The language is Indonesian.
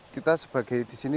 kita sebagai di sini